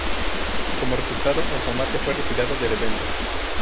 Como resultado, el combate fue retirado del evento.